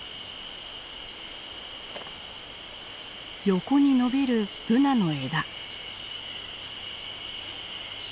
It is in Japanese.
横に伸びるブナの枝。